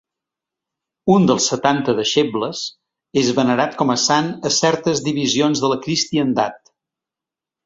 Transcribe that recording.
Un dels Setanta deixebles, és venerat com a sant a certes divisions de la cristiandat.